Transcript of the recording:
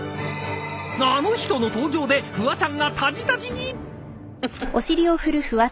［あの人の登場でフワちゃんがたじたじに！］